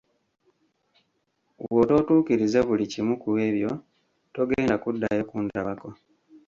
Bw'otootuukirize buli kimu ku ebyo, togenda kuddayo kundabako.